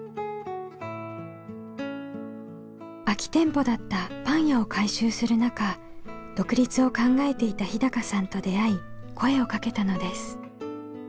空き店舗だったパン屋を改修する中独立を考えていた日さんと出会い声をかけたのです。